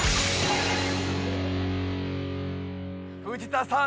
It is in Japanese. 藤田さん